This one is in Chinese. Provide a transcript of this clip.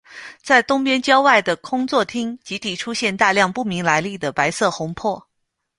在东边郊外的空座町集体出现大量不明来历的白色魂魄。